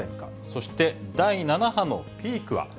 そして、第７波のピークは？